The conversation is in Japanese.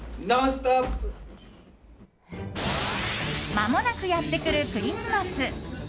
まもなくやってくるクリスマス。